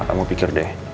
kamu pikir deh